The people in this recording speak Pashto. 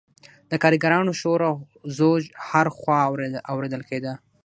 د کارګرانو شور او ځوږ هر خوا اوریدل کیده.